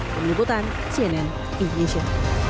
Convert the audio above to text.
penyelidikan cnn indonesia